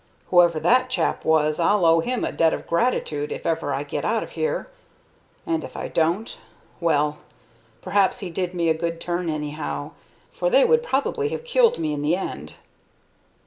Whoever that chap was, I'll owe him a debt of gratitude if ever I get out of here; and if I don't Well, perhaps he did me a good turn anyhow, for they would probably have killed me in the end.